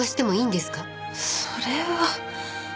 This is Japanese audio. それは。